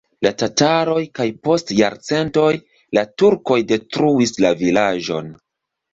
La tataroj kaj post jarcentoj la turkoj detruis la vilaĝon.